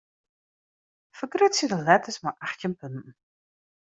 Fergrutsje de letters mei achttjin punten.